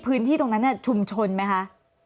พื้นที่นั่งนั้นเนี่ยชุมชนไหมคะ